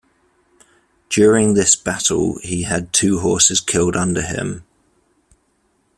During this battle, he had two horses killed under him.